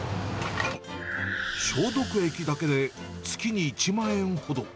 消毒液だけで月に１万円ほど。